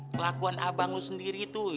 kelakuan abang lo sendiri tuh